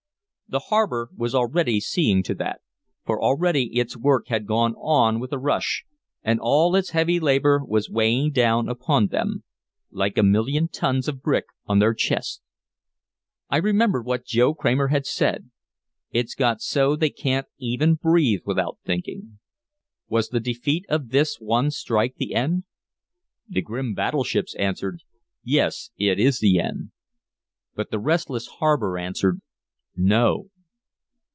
The harbor was already seeing to that, for already its work had gone on with a rush, and all its heavy labor was weighing down upon them "like a million tons of brick on their chests." I remembered what Joe Kramer had said: "It's got so they can't even breathe without thinking." Was the defeat of this one strike the end? The grim battleships answered, "Yes, it is the end." But the restless harbor answered, "No."